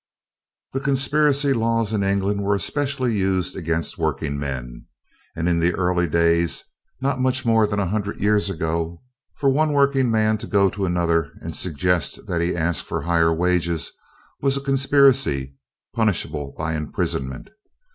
(Laughter and applause). The conspiracy laws in England were especially used against working men, and in the early days, not much more than a hundred years ago, for one working man to go to another and suggest that he ask for higher wages was a conspiracy, punishable by imprisonment.